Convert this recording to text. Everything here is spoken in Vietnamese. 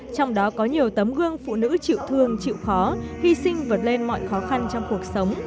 trong đó có nhiều tấm gương phụ nữ chịu thương chịu khó hy sinh vượt lên mọi khó khăn trong cuộc sống